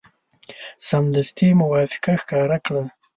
سمدستي موافقه ښکاره کړه.